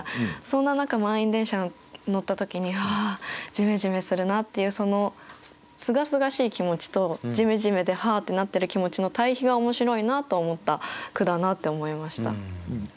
そんな中満員電車乗った時に「ああじめじめするな」っていうそのすがすがしい気持ちとじめじめで「はあ」ってなってる気持ちの対比が面白いなと思った句だなって思いました。